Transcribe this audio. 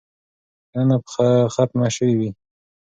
شننه به ختمه شوې وي.